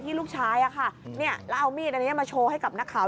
ดีหลายดีห้าวแล้ว